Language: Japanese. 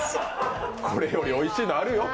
これよりおいしいのあるよって。